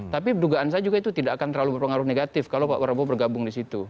tapi dugaan saya juga itu tidak akan terlalu berpengaruh negatif kalau pak prabowo bergabung di situ